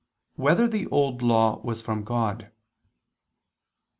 2] Whether the Old Law Was from God?